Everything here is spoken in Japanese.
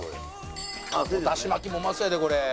だし巻きもうまそうやでこれ。